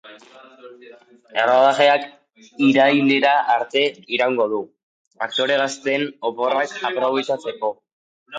Errodajeak irailera arte iraungo du, aktore gazteen oporrak aprobetxatzeko.